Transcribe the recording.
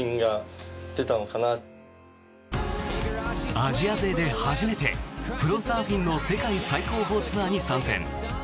アジア勢で初めてプロサーフィンの世界最高峰ツアーに参戦。